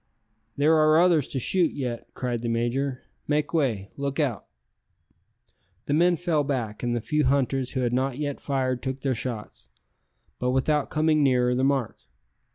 "There are others to shoot yet," cried the major. "Make way. Look out." The men fell back, and the few hunters who had not yet fired took their shots, but without coming nearer the mark.